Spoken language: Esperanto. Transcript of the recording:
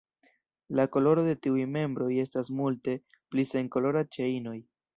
La koloro de tiuj membroj estas multe pli senkolora ĉe inoj.